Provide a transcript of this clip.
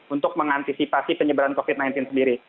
untuk mengantisipasi penyebaran covid sembilan belas sendiri